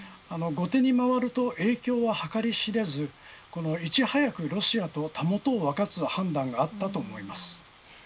後手に回ると影響は計り知れずいち早くロシアとたもとを分かつ判断があったと思います。